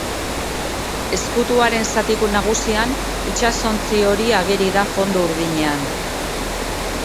Ezkutuaren zati nagusian itsasontzi hori bat ageri da fondo urdinean.